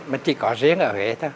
mà chỉ có riêng ở huế thôi